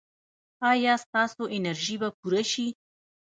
ایا ستاسو انرژي به پوره شي؟